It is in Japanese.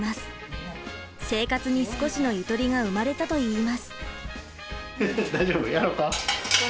生活に少しのゆとりが生まれたと言います。